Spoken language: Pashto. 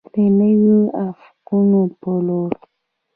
د نویو افقونو په لور.